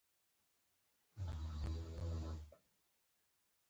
ډیر خوندور دی چې له تاسو سره کار وکړم.